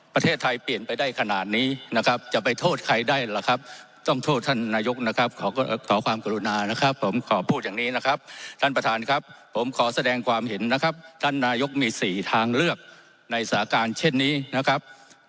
ประเทศไทยเปลี่ยนไปได้ขนาดนี้นะครับจะไปโทษใครได้ล่ะครับต้องโทษท่านนายกนะครับขอความกรุณานะครับผมขอพูดอย่างนี้นะครับท่านประธานครับผมขอแสดงความเห็นนะครับท่านนายกมีสี่ทางเลือกในสาการเช่นนี้นะครับ